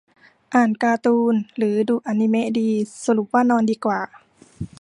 อ่านการ์ตูน หรือดูอนิเมะดี สรุปว่านอนดีกว่า